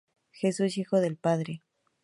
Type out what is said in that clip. Jesús hijo del padre.